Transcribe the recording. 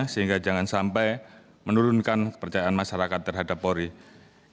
sehingga jangan sampai menurunkan kepercayaan masyarakat dan menurunkan kepercayaan masyarakat